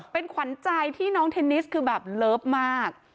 เป็นขวัญใจที่น้องเทนนิสคือแบบเลิฟมาก